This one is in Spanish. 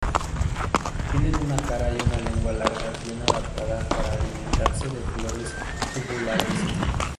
Tienen una cara y una lengua largas bien adaptadas para alimentarse de flores tubulares.